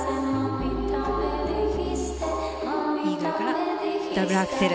イーグルからダブルアクセル。